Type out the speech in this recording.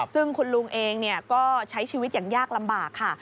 ซึ่งคุณลุงเองก็ใช้ชีวิตอย่างยากลำบากค่ะ